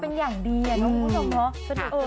เป็นอย่างดีอะเนาะคุณผู้ชมเนาะ